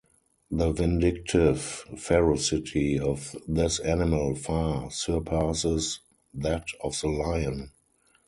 The vindictive ferocity of this animal far surpasses that of the lion.